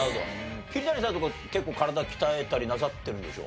桐谷さんとか結構体鍛えたりなさってるんでしょ？